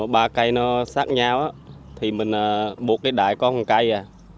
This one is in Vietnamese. ba cây nó sát nhau á thì mình bụt cây đài có một cây à